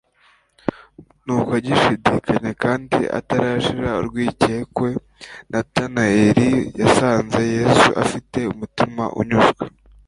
Nuko agishidikanya kandi atarashira urwikekwe Natanaeli yasanze Yesu afite umutima unyuzwe